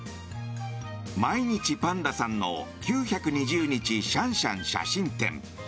「毎日パンダさんの９２０日シャンシャン写真展」。